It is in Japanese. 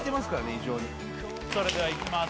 異常にそれではいきます